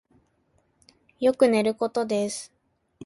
よく寝ることです。